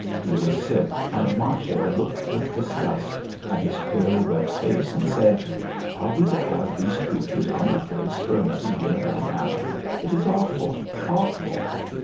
He was sick and Masha looked with disgust at his pale, wet face and said: "Are we to have these creatures on the place for another year and a half? It is awful! Awful!"